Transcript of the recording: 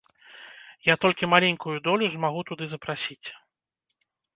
Я толькі маленькую долю змагу туды запрасіць.